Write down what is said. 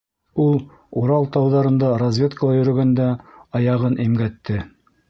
Ул, Урал тауҙарында разведкала йөрөгәндә, аяғын имгәтте.